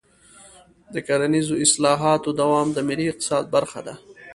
د کرنیزو اصلاحاتو دوام د ملي اقتصاد برخه ده.